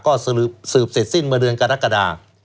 ก็สืบเสร็จสิ้นมาเดือนกระดักกระดาษ